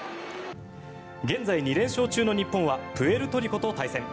現在２連勝中の日本はプエルトリコと対戦。